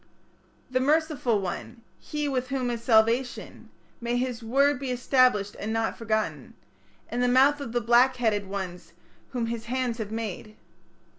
"The merciful one", "he with whom is salvation", May his word be established, and not forgotten, In the mouth of the black headed ones whom his hands have made.